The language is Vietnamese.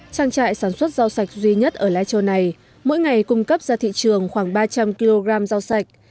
trang trại sản xuất rau sạch duy nhất ở lai châu này mỗi ngày cung cấp ra thị trường khoảng ba trăm linh kg rau sạch